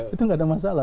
itu enggak ada masalah